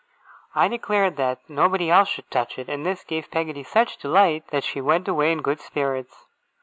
I declared that nobody else should touch it; and this gave Peggotty such delight that she went away in good spirits.